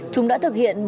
chúng đã thực hiện